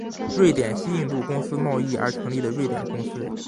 瑞典西印度公司贸易而成立的瑞典公司。